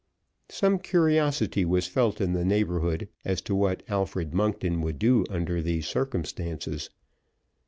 Some curiosity was felt in the neighborhood as to what Alfred Monkton would do under these circumstances.